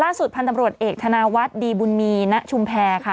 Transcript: พันธุ์ตำรวจเอกธนาวัฒน์ดีบุญมีณชุมแพรค่ะ